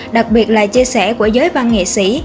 đặc biệt là chia sẻ của giới văn nghệ sĩ